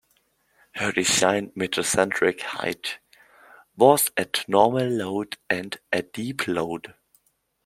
Her designed metacentric height was at normal load and at deep load.